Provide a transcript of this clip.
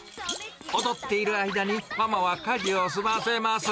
踊っている間に、ママは家事を済ませます。